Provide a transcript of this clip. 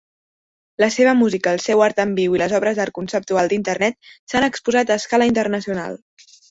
La seva música, el seu art en viu i les obres d'art conceptual d'Internet s'han exposat a escala internacional.